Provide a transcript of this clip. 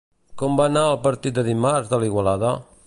Com va anar el partit de dimarts de l'Igualada?